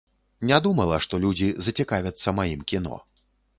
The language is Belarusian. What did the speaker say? Не думала, што людзі зацікавяцца маім кіно.